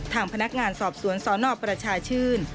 ทางพนักงานสอบสวนสนประชาชื่น